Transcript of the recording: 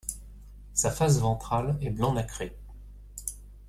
Sa face ventrale est blanc nacré.